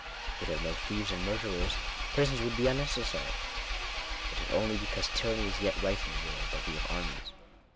Were there no thieves and murderers, prisons would be unnecessary. It is only because tyranny is yet life in the world that we have armies.